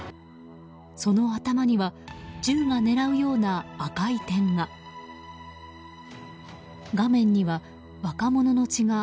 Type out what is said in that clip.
その頭には銃が狙うような赤い点が。